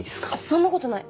そんなことない！